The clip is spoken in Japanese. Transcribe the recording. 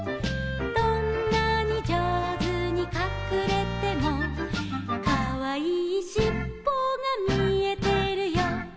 「どんなに上手にかくれても」「かわいいしっぽが見えてるよ」